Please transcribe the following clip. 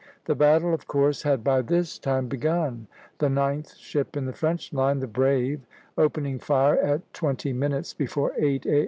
The battle, of course, had by this time begun, the ninth ship in the French line, the "Brave," opening fire at twenty minutes before eight A.